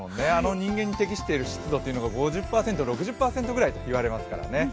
人間に適している湿度が５０％、６０％と言われますからね。